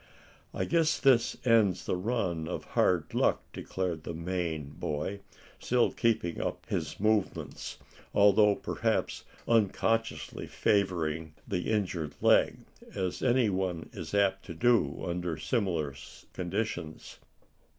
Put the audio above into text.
"I guess this ends the run of hard luck," declared the Maine boy, still keeping up his movements, although perhaps unconsciously favoring the injured leg, as any one is apt to do under similar conditions.